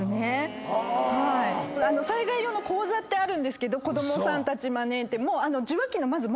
災害用の講座ってあるんですけど子供さんたち招いて。